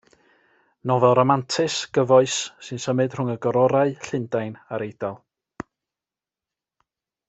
Nofel ramantus, gyfoes sy'n symud rhwng y gororau, Llundain a'r Eidal.